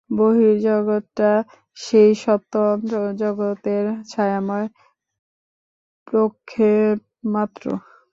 বহির্জগৎটা সেই সত্য অন্তর্জগতের ছায়াময় প্রক্ষেপমাত্র।